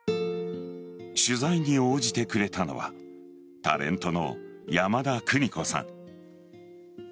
取材に応じてくれたのはタレントの山田邦子さん。